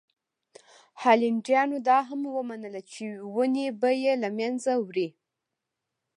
هالنډیانو دا هم ومنله چې ونې به یې له منځه وړي.